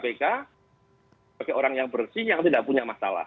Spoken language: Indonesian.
sebagai orang yang bersih yang tidak punya masalah